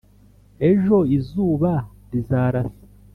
ejo, izuba rizarasa,